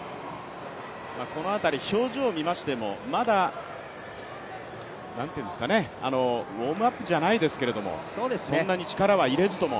この辺り、表情を見ましてもまだウォームアップじゃないですけども、そんなに力は入れずとも。